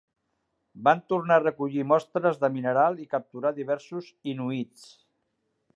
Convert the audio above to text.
Van tornar a recollir mostres de mineral i capturar diversos inuits.